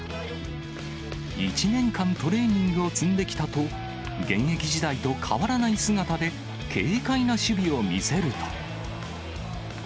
１年間トレーニングを積んできたと、現役時代と変わらない姿で、軽快な守備を見せると。